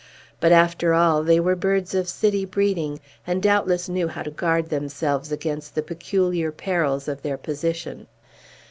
But, after all, they were birds of city breeding, and doubtless knew how to guard themselves against the peculiar perils of their position.